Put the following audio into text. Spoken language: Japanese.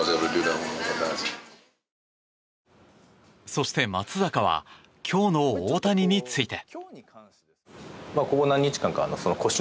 そして松坂は今日の大谷について。